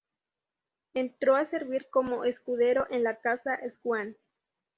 Entró a servir como escudero en la Casa Swann.